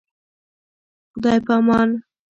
خداي پامان.